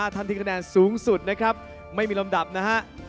ท่านที่คะแนนสูงสุดนะครับไม่มีลำดับนะฮะ